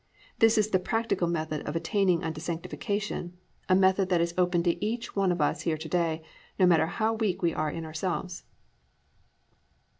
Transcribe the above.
This is the practical method of attaining unto sanctification, a method that is open to each one of us here to day, no matter how weak we are in ourselves.